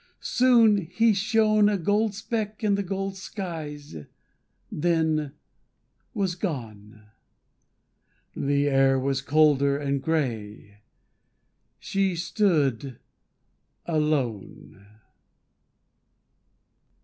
Soon he shone A gold speck in the gold skies; then was gone. The air was colder, and grey. She stood alone.